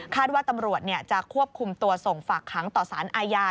คาดว่าตำรวจจะควบคุมตัวส่งฝักหางต่อศาลอายา